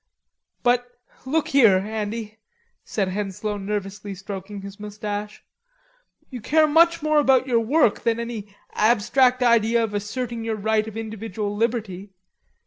"But, look here, Andy," said Henslowe nervously stroking his moustache. "You care much more about your work than any abstract idea of asserting your right of individual liberty.